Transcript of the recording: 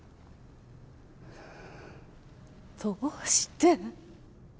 どうして。